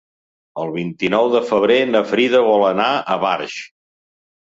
El vint-i-nou de febrer na Frida vol anar a Barx.